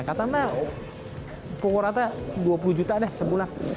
katanya pokoknya dua puluh juta deh sebulan